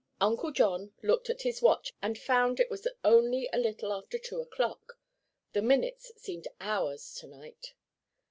Uncle John looked at his watch and found it was only a little after two o'clock. The minutes seemed hours to night.